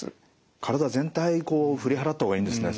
体全体振り払った方がいいんですね。